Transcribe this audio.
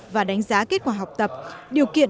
và đánh giá kết quả học tập điều kiện